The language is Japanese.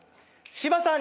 「柴さん」